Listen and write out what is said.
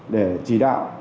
để chỉ đạo